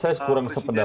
saya kurang sependapat